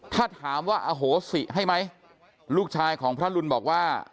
ถ้าถามว่าอโหสิให้ไหมลูกชายของพระรุนบอกว่า